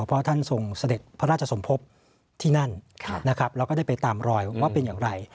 เพราะท่านทรงเสด็จพระราชสมภพที่นั่นนะครับแล้วก็ได้ไปตามรอยว่าเป็นอย่างไร